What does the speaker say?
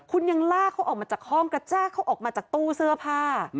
คุณยังลากเขาออกมาจากห้องกระแจกเขาออกมาจากตู้เสื้อผ้า